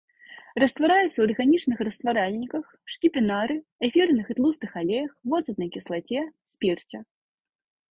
Раствараецца ў арганічных растваральніках, шкіпінары, эфірных і тлустых алеях, воцатнай кіслаце, спірце.